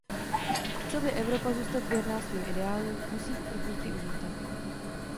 Chce-li Evropa zůstat věrná svým ideálům, musí uprchlíky uvítat.